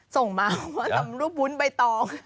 ส่งมาบอกว่าทำรูปวุ้นใบตอง